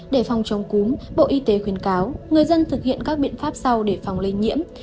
để phòng chống cúm bộ y tế khuyến cáo người dân thực hiện các biện pháp sau để phòng lây nhiễm